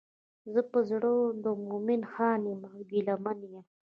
زه په زړه د مومن خان یم او ګیله منه یم.